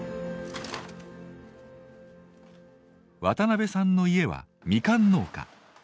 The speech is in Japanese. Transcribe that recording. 渡部さんの家はみかん農家。